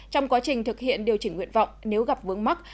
trong quá trình thực hiện điều chỉnh nguyện vọng nếu gặp vướng mắt